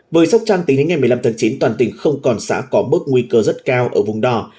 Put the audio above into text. với sóc trăng tính đến ngày một mươi năm tháng chín toàn tỉnh không còn xã có mức nguy cơ rất cao ở vùng đỏ